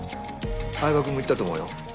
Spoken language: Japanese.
饗庭君も行ったと思うよ。